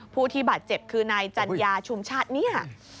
ผู้ที่บาดเจ็บคือนายจันยาชุมชาติ